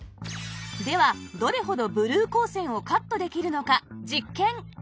ではどれほどブルー光線をカットできるのか実験